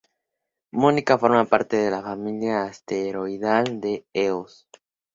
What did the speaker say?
Monica forma parte de la familia asteroidal de Eos.